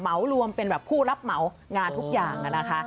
เหมารวมเป็นผู้รับเหมางานทุกอย่าง